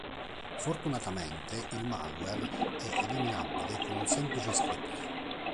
Fortunatamente il malware è eliminabile con un semplice script.